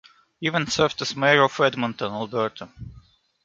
Evans served as Mayor of Edmonton, Alberta.